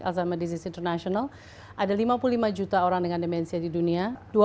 alzhemat disease international ada lima puluh lima juta orang dengan demensia di dunia